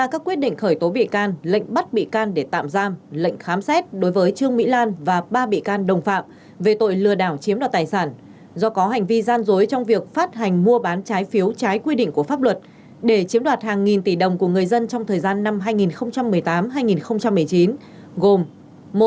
các quyết định khởi tố bị can lệnh bắt bị can để tạm giam lệnh khám xét đối với trương mỹ lan và ba bị can đồng phạm về tội lừa đảo chiếm đoạt tài sản do có hành vi gian dối trong việc phát hành mua bán trái phiếu trái quy định của pháp luật để chiếm đoạt hàng nghìn tỷ đồng của người dân trong thời gian năm hai nghìn một mươi tám hai nghìn một mươi chín gồm